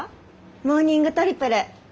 モーニングトリプル。